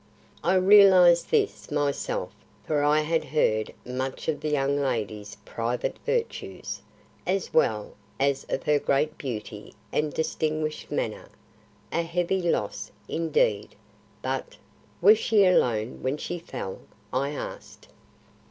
I realised this myself, for I had heard much of the young lady's private virtues, as well as of her great beauty and distinguished manner. A heavy loss, indeed, but "Was she alone when she fell?" I asked.